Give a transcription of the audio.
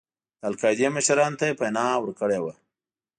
د القاعدې مشرانو ته یې پناه ورکړې وه.